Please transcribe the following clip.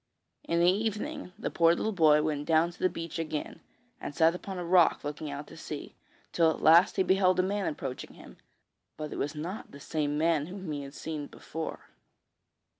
In the evening, the poor little boy went down to the beach again, and sat upon a rock looking out to sea, till at last he beheld a man approaching him, but it was not the same man whom he had seen before.